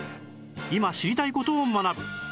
今知りたい事を学ぶ